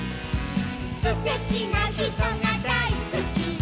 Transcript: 「すてきなひとがだいすき」